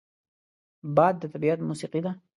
باد د طبیعت موسیقي ده